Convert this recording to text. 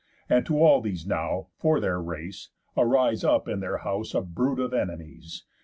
And to all these now, for their race, arise Up in their house a brood of enemies.